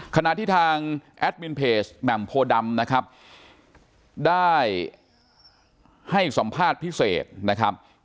ขณะที่ทางแอดมินเพจแหม่มโพดำนะครับได้ให้สัมภาษณ์พิเศษนะครับ